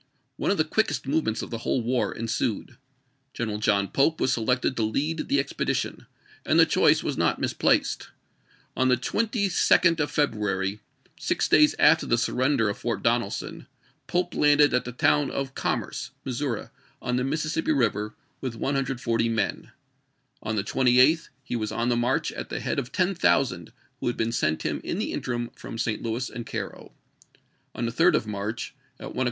One of the quickest movements of the whole war ensued. General John Pope was selected to lead the ex pedition, and the choice was not misplaced. On the 22d of February, six days after the surrender of Fort Donelson, Pope landed at the town of Commerce, PEA EIDGE AND ISLAND NO. 10 295 Missom i, on the Mississippi River, with 140 men. ch. xvn. On the 28th he was on the march at the head of 10,000, who had been sent him in the interim from St. Louis and Cairo. On the 3d of March, at one 1862.